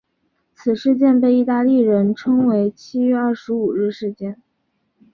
此事件被意大利人称为七月二十五日事件。